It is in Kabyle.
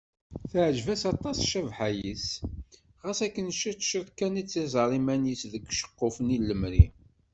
Teɛǧeb-as aṭas cbaḥa-s, xas akken ciṭ ciṭ kan i tẓerr iman-is deg uceqquf-nni n lemri.